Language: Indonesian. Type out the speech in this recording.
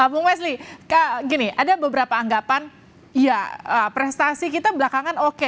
bung wesli gini ada beberapa anggapan ya prestasi kita belakangan oke